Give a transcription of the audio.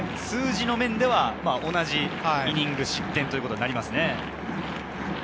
数字の上では同じイニング、失点ということになります。